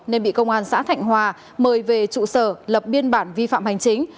nên bị công an xã thạnh hòa mời về trụ sở lập biên bản vi phạm hành chính